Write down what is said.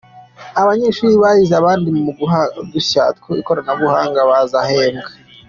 Abanyeshuri bahize abandi mu guhanga udushya mu ikoranabuhanga bazahembwa